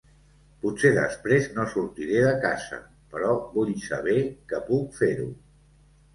Potser després no sortiré de casa, però vull saber que puc fer-ho.